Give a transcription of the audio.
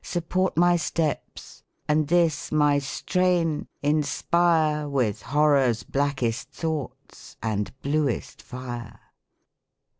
Support my steps, and this, my strain, inspire With Horror's blackest thoughts and bluest fire